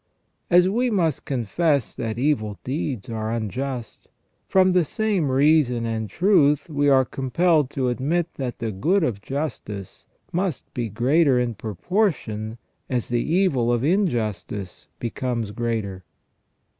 As we must confess that evil deeds are unjust, from the same reason and truth we are compelled to admit that the good of justice must be greater in proportion as the evil of injustice becomes greater.